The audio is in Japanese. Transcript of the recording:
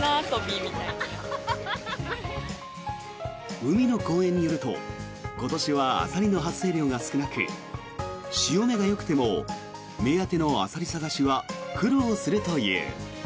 海の公園によると今年はアサリの発生量が少なく潮目がよくても目当てのアサリ探しは苦労するという。